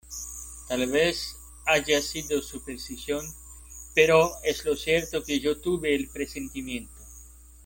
tal vez haya sido superstición, pero es lo cierto que yo tuve el presentimiento.